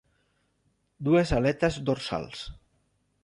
Dues aletes dorsals.